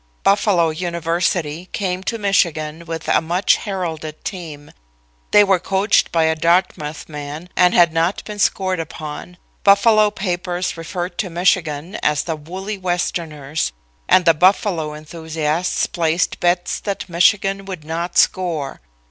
"Buffalo University came to Michigan with a much heralded team. They were coached by a Dartmouth man and had not been scored upon. Buffalo papers referred to Michigan as the Woolly Westerners, and the Buffalo enthusiasts placed bets that Michigan would not score.